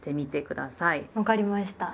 分かりました。